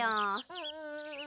うん。